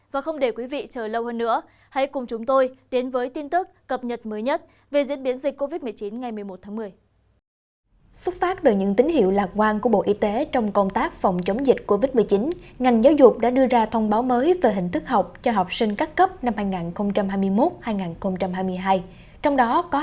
và không để quý vị chờ lâu hơn nữa hãy cùng chúng tôi đến với tin tức cập nhật mới nhất về diễn biến dịch covid một mươi chín ngày một mươi một tháng một mươi